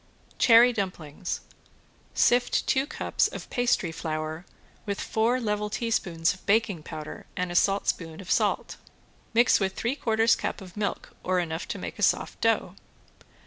~CHERRY DUMPLINGS~ Sift two cups of pastry flour with four level teaspoons of baking powder and a saltspoon of salt. Mix with three quarters cup of milk or enough to make a soft dough.